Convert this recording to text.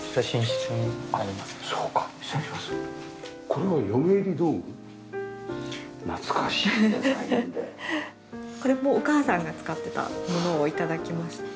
これもお義母さんが使ってたものを頂きました。